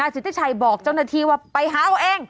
สิทธิชัยบอกเจ้าหน้าที่ว่าไปหาเอาเอง